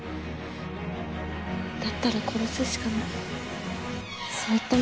だったら殺すしかない。